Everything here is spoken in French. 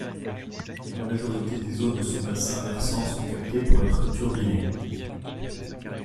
La majorité des eaux de son bassin versant sont captées pour être turbinées.